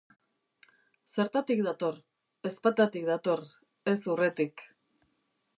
Zertatik dator? Ezpatatik dator, ez urretik.